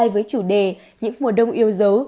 với chủ đề những mùa đông yêu dấu